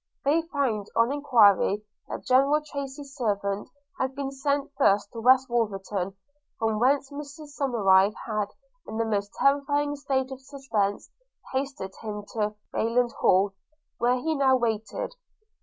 They found, on enquiry, that General Tracy's servant had been sent first to West Wolverton; from whence Mrs Somerive had, in the most terrifying state of suspense, hastened him to Rayland Hall, where he now waited.